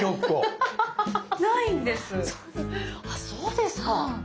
あっそうですか。